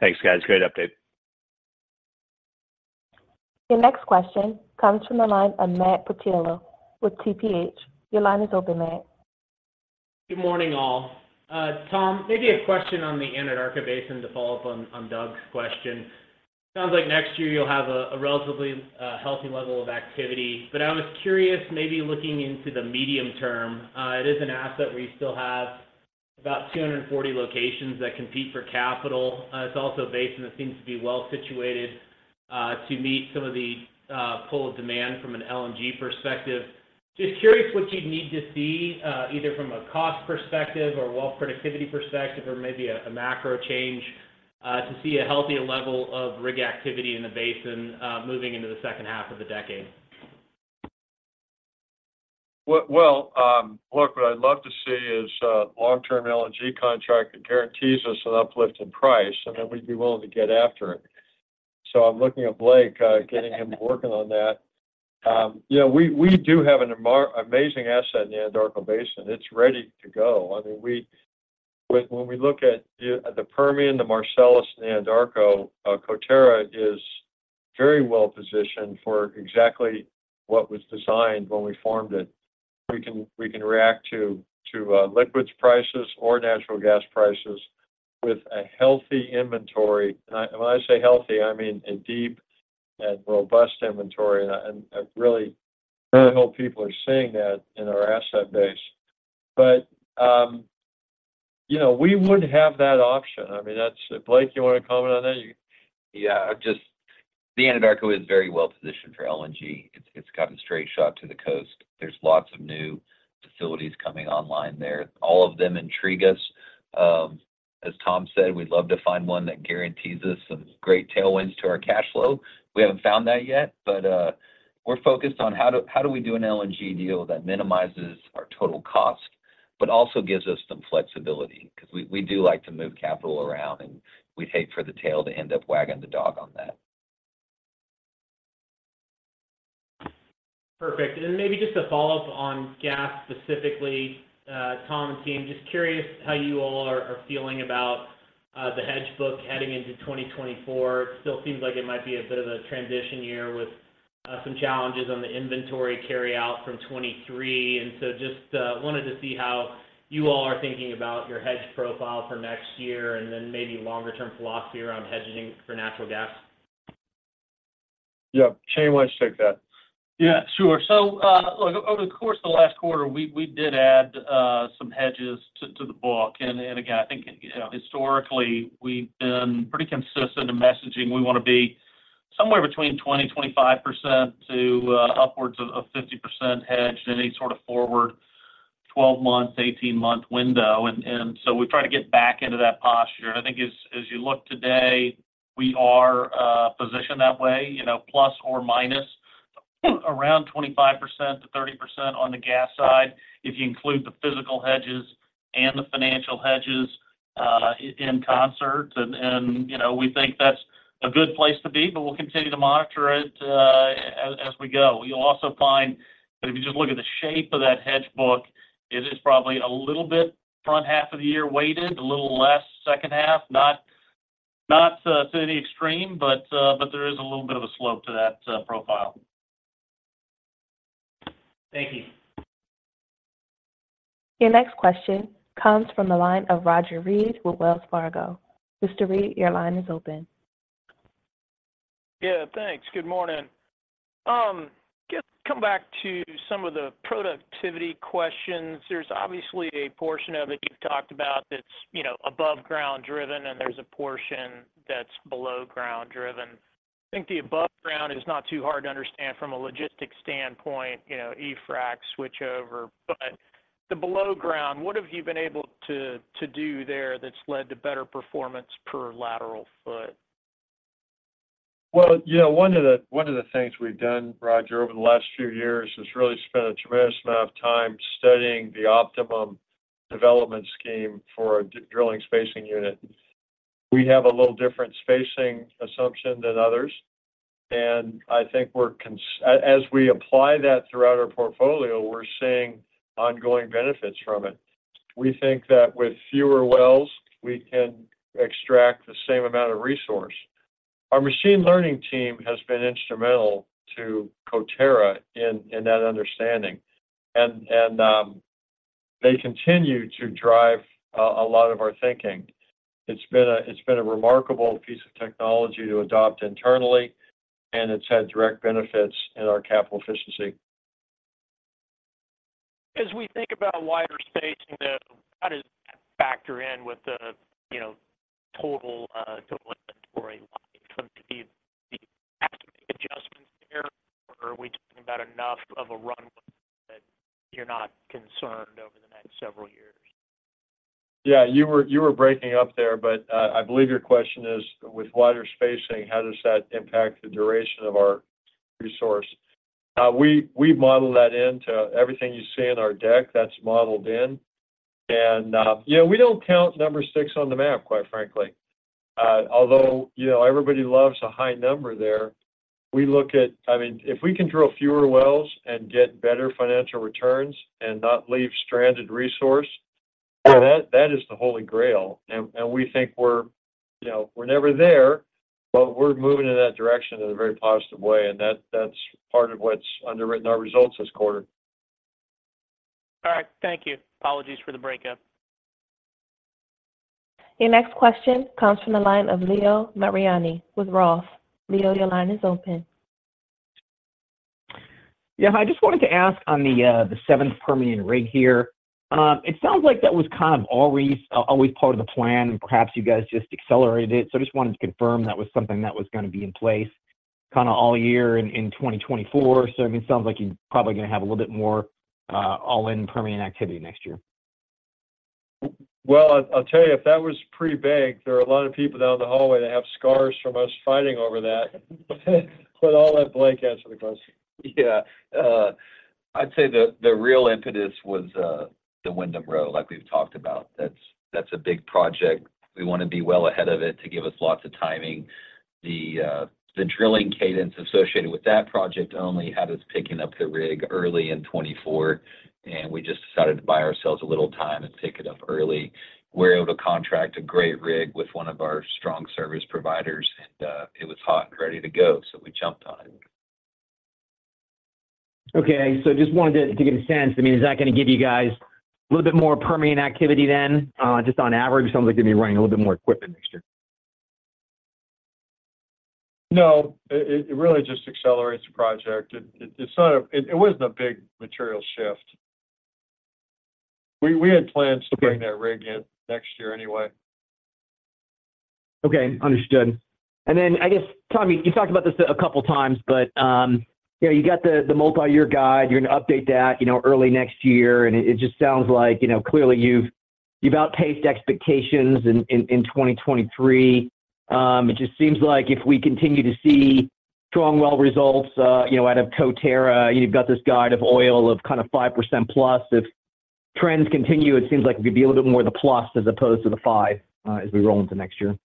Thanks, guys. Great update. Your next question comes from the line of Matt Portillo with TPH. Your line is open, Matt. Good morning, all. Tom, maybe a question on the Anadarko Basin to follow up on, on Doug's question. Sounds like next year you'll have a relatively healthy level of activity, but I was curious, maybe looking into the medium term, it is an asset where you still have about 240 locations that compete for capital. It's also a basin that seems to be well situated to meet some of the pull of demand from an LNG perspective. Just curious what you'd need to see, either from a cost perspective or well productivity perspective, or maybe a macro change, to see a healthier level of rig activity in the basin, moving into the second half of the decade. Well, well, look, what I'd love to see is, long-term LNG contract that guarantees us an uplift in price, and then we'd be willing to get after it. So I'm looking at Blake, getting him working on that. You know, we do have an amazing asset in the Anadarko Basin. It's ready to go. I mean, when we look at the Permian, the Marcellus, and the Anadarko, Coterra is very well positioned for exactly what was designed when we formed it. We can react to liquids prices or natural gas prices with a healthy inventory. And when I say healthy, I mean a deep and robust inventory, and I really hope people are seeing that in our asset base. But, you know, we would have that option. I mean, that's... Blake, you want to comment on that? You- Yeah, I just... The Anadarko is very well positioned for LNG. It's got a straight shot to the coast. There's lots of new facilities coming online there. All of them intrigue us. As Tom said, we'd love to find one that guarantees us some great tailwinds to our cash flow. We haven't found that yet, but we're focused on how do we do an LNG deal that minimizes our total cost, but also gives us some flexibility? Because we do like to move capital around, and we'd hate for the tail to end up wagging the dog on that. Perfect. And then maybe just a follow-up on gas, specifically, Tom and team, just curious how you all are, are feeling about, the hedge book heading into 2024. It still seems like it might be a bit of a transition year with, some challenges on the inventory carryout from 2023. And so just, wanted to see how you all are thinking about your hedge profile for next year, and then maybe longer term philosophy around hedging for natural gas. Yeah. Shane, why don't you take that? Yeah, sure. So, look, over the course of the last quarter, we, we did add some hedges to, to the book. And, and again, I think, you know, historically, we've been pretty consistent in messaging. We want to be somewhere between 20%-25% to, upwards of, 50% hedged in any sort of forward 12-month, 18-month window. And, and so we try to get back into that posture. I think as, as you look today, we are, positioned that way, you know, ±, around 25%-30% on the gas side, if you include the physical hedges and the financial hedges, in concert. And, and, you know, we think that's a good place to be, but we'll continue to monitor it, as, as we go. You'll also find that if you just look at the shape of that hedge book, it is probably a little bit front half of the year weighted, a little less second half. Not, not, to any extreme, but, but there is a little bit of a slope to that, profile. Thank you. Your next question comes from the line of Roger Read with Wells Fargo. Mr. Read, your line is open. Yeah, thanks. Good morning. Just come back to some of the productivity questions. There's obviously a portion of it you've talked about that's, you know, above ground driven, and there's a portion that's below ground driven. I think the above ground is not too hard to understand from a logistics standpoint, you know, E-frac switchover. But the below ground, what have you been able to do there that's led to better performance per lateral foot? Well, yeah, one of the things we've done, Roger, over the last few years is really spent a tremendous amount of time studying the optimum development scheme for a drilling spacing unit. We have a little different spacing assumption than others, and I think we're consistent as we apply that throughout our portfolio, we're seeing ongoing benefits from it. We think that with fewer wells, we can extract the same amount of resource. Our machine learning team has been instrumental to Coterra in that understanding. And they continue to drive a lot of our thinking. It's been a remarkable piece of technology to adopt internally, and it's had direct benefits in our capital efficiency. As we think about wider spacing, though, how does that factor in with the, you know, total, total inventory life? So do you, do you have to make adjustments there, or are we talking about enough of a runway that you're not concerned over the next several years? Yeah, you were breaking up there, but I believe your question is, with wider spacing, how does that impact the duration of our resource? We’ve modeled that into everything you see in our deck, that’s modeled in. And yeah, we don’t count number six on the map, quite frankly. Although, you know, everybody loves a high number there, we look at. I mean, if we can drill fewer wells and get better financial returns and not leave stranded resource, that is the Holy Grail. And we think we’re, you know, we’re never there, but we’re moving in that direction in a very positive way, and that’s part of what’s underwritten our results this quarter. All right. Thank you. Apologies for the breakup. Your next question comes from the line of Leo Mariani with ROTH. Leo, your line is open. Yeah, hi. I just wanted to ask on the seventh Permian rig here. It sounds like that was kind of always part of the plan, and perhaps you guys just accelerated it. So I just wanted to confirm that was something that was gonna be in place kinda all year in 2024. So, I mean, it sounds like you're probably gonna have a little bit more all-in Permian activity next year. Well, I'll tell you, if that was pre-baked, there are a lot of people down the hallway that have scars from us fighting over that. But I'll let Blake answer the question. Yeah, I'd say the, the real impetus was, the Windham Row, like we've talked about. That's, that's a big project. We wanna be well ahead of it to give us lots of timing. The, the drilling cadence associated with that project only had us picking up the rig early in 2024, and we just decided to buy ourselves a little time and pick it up early. We were able to contract a great rig with one of our strong service providers, and, it was hot and ready to go, so we jumped on it. Okay, so just wanted to get a sense. I mean, is that gonna give you guys a little bit more Permian activity than? Just on average, it sounds like you're gonna be running a little bit more equipment next year. No, it really just accelerates the project. It's not. It wasn't a big material shift. We had plans- Okay.... to bring that rig in next year anyway. Okay, understood. And then, I guess, Tom, you talked about this a couple of times, but, you know, you got the multi-year guide. You're gonna update that, you know, early next year, and it just sounds like, you know, clearly you've outpaced expectations in 2023. It just seems like if we continue to see strong well results, you know, out of Coterra, you've got this guide of oil of kinda 5%+. If trends continue, it seems like it could be a little bit more the plus as opposed to the five, as we roll into next year.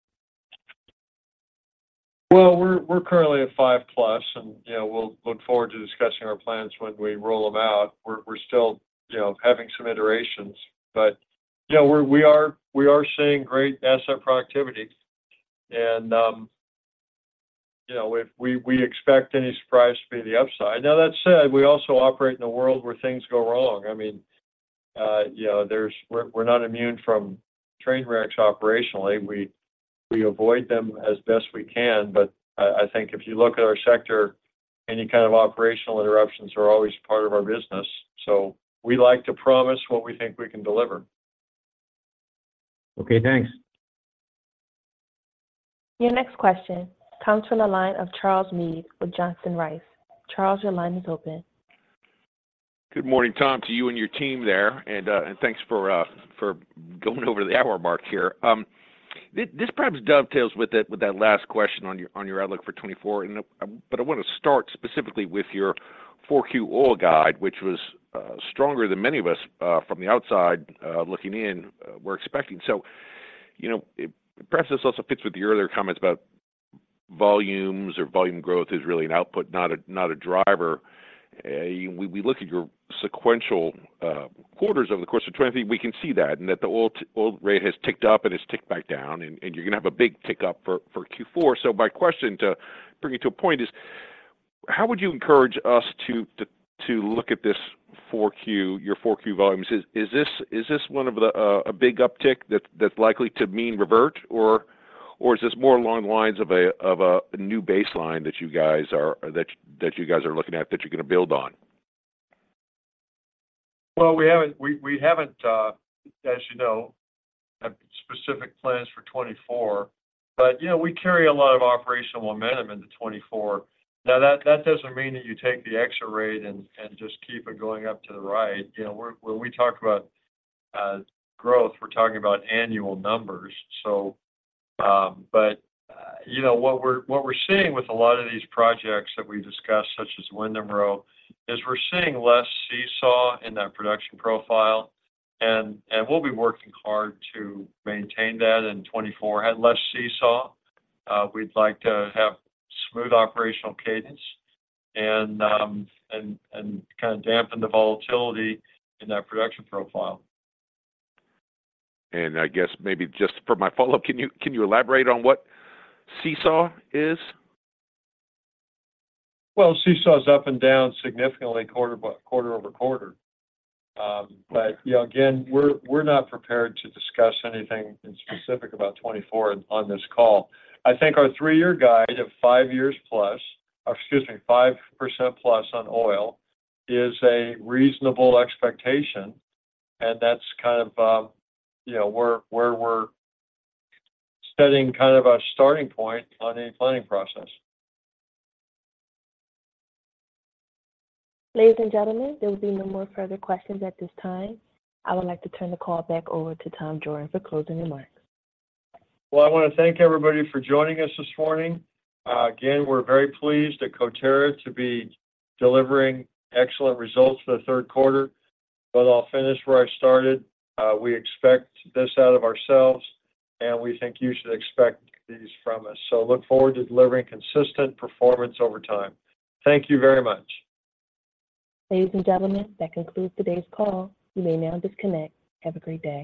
Well, we're currently at 5+, and, you know, we'll look forward to discussing our plans when we roll them out. We're still, you know, having some iterations. But, yeah, we are seeing great asset productivity, and, you know, if we expect any surprise to be the upside. Now, that said, we also operate in a world where things go wrong. I mean, you know, we're not immune from train wrecks operationally. We avoid them as best we can, but I think if you look at our sector, any kind of operational interruptions are always part of our business. So we like to promise what we think we can deliver. Okay, thanks. Your next question comes from the line of Charles Meade with Johnson Rice. Charles, your line is open. Good morning, Tom, to you and your team there, and thanks for going over the hour mark here. This perhaps dovetails with that last question on your outlook for 2024, and... But I wanna start specifically with your 4Q oil guide, which was stronger than many of us from the outside looking in were expecting. So, you know, perhaps this also fits with your other comments about volumes or volume growth is really an output, not a driver. We look at your sequential quarters over the course of 2023, we can see that, and that the oil rate has ticked up and has ticked back down, and you're gonna have a big tick up for Q4. So my question, to bring it to a point, is: How would you encourage us to look at this 4Q, your 4Q volumes? Is this one of the a big uptick that's likely to mean revert, or is this more along the lines of a new baseline that you guys are looking at, that you're gonna build on? Well, we haven't, as you know, have specific plans for 2024, but, you know, we carry a lot of operational momentum into 2024. Now, that doesn't mean that you take the extra rate and just keep it going up to the right. You know, when we talk about growth, we're talking about annual numbers. So, but, you know, what we're seeing with a lot of these projects that we discussed, such as Windham Row, is we're seeing less seesaw in that production profile, and we'll be working hard to maintain that in 2024. Have less seesaw. We'd like to have smooth operational cadence and kinda dampen the volatility in that production profile. I guess maybe just for my follow-up, can you, can you elaborate on what seesaw is? Well, seesaw is up and down significantly quarter by quarter over quarter. But, you know, again, we're, we're not prepared to discuss anything in specific about 2024 on this call. I think our three-year guide of five years plus, or excuse me, 5%+ on oil, is a reasonable expectation, and that's kind of, you know, where, where we're setting kind of our starting point on any planning process. Ladies and gentlemen, there will be no more further questions at this time. I would like to turn the call back over to Tom Jorden for closing remarks. Well, I wanna thank everybody for joining us this morning. Again, we're very pleased at Coterra to be delivering excellent results for the third quarter. But I'll finish where I started. We expect this out of ourselves, and we think you should expect these from us. So look forward to delivering consistent performance over time. Thank you very much. Ladies and gentlemen, that concludes today's call. You may now disconnect. Have a great day.